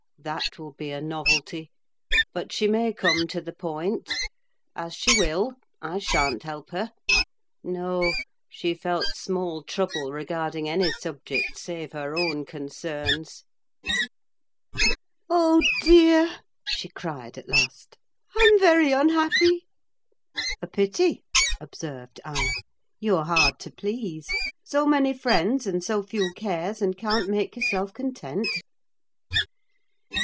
That will be a novelty: but she may come to the point as she will—I sha'n't help her! No, she felt small trouble regarding any subject, save her own concerns. "Oh, dear!" she cried at last. "I'm very unhappy!" "A pity," observed I. "You're hard to please; so many friends and so few cares, and can't make yourself content!"